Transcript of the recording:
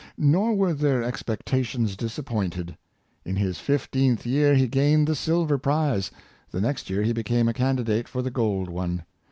Nor were their expectations disappointed; in his fifteenth year he gained the silver prize, and next 3^ear he became a candidate for the gold one.